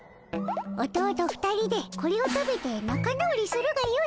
おとおと２人でこれを食べてなか直りするがよい。